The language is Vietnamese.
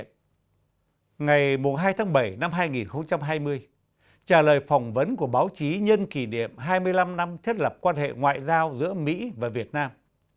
ngày hai tháng bảy năm hai nghìn hai mươi trả lời phỏng vấn của báo chí nhân kỷ niệm hai mươi năm năm thiết lập quan hệ ngoại giao giữa mỹ và việt nam